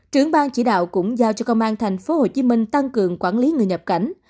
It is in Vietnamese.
trưởng bang chỉ đạo cũng giao cho công an thành phố hồ chí minh tăng cường quản lý người nhập cảnh